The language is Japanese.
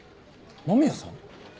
間宮さん？